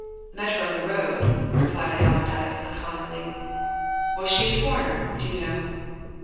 "Met her on the road," replied Allerdyke laconically. "Was she a foreigner, do you know?"